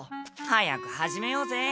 早く始めようぜ。